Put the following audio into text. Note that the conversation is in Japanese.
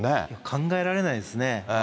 考えられないですね。